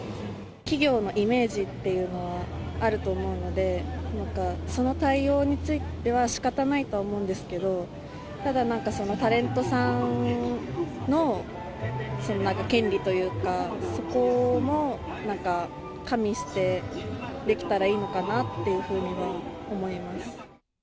企業のイメージっていうのはあると思うので、その対応についてはしかたないと思うんですけど、ただなんかその、タレントさんの権利というか、そこも加味してできたらいいのかなっていうふうには思います。